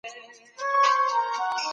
په تګ کې د ټولنې نظم نه خرابېږي.